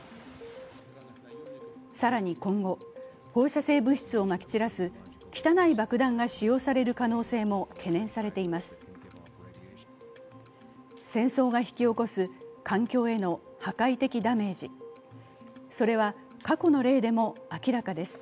更に今後、放射性物質をまき散らす汚い爆弾が使用される可能性も懸念されています。